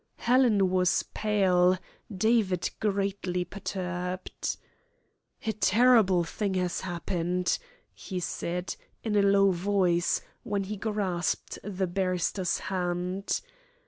Helen was pale, David greatly perturbed. "A terrible thing has happened," he said, in a low voice, when he grasped the barrister's hand.